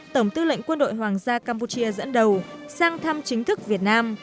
tổng tư lệnh quân đội hoàng gia campuchia dẫn đầu sang thăm chính thức việt nam